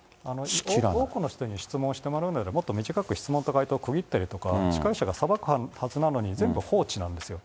多くの人に質問してもらうんだったら、もっと短く質問と回答を区切ったりとか、司会者がさばくはずなのに、全部放置なんですよ。